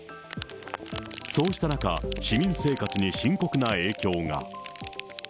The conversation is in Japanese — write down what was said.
そうした中、市民生活に深刻な影響が。